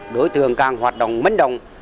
đối tượng càng hoạt động mấn đồng